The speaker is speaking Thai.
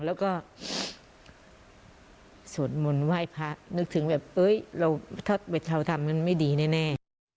แล้วก็สวดมนต์ไหว้พระนึกถึงแบบถ้าเราทำมันไม่ดีแน่